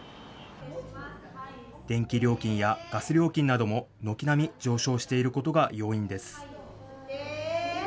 電気料金やガス料金なども軒並み上昇していることが要因です。